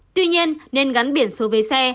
tuy nhiên nên gắn biển số với xe